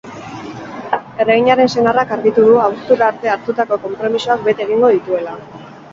Erreginaren senarrak argitu du abuztura arte hartutako konpromisoak bete egingo dituela.